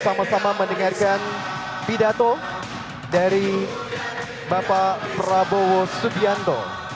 sama sama mendengarkan pidato dari bapak prabowo subianto